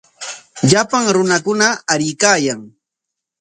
Llapan runakuna aruykaayan.